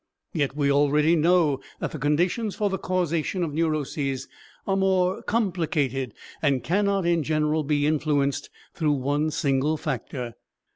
Yet we already know that the conditions for the causation of neuroses are more complicated and cannot in general be influenced through one single factor.